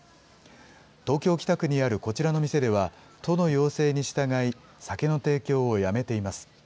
東京・北区にあるこちらの店では、都の要請に従い、酒の提供をやめています。